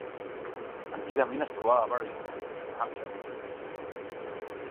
Antigament es trobava a Barrington, New Hampshire.